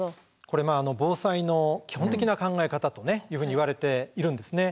これ防災の基本的な考え方というふうにいわれているんですね。